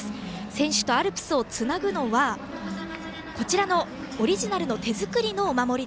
選手とアルプスをつなぐのはオリジナルの手作りのお守り。